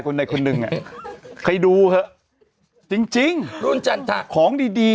คนในคนหนึ่งอ่ะใครดูหรอจริงรุ่นจันทราของดี